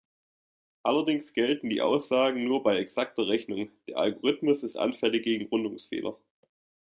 Allerdings gelten die Aussagen nur bei exakter Rechnung, der Algorithmus ist anfällig gegen Rundungsfehler.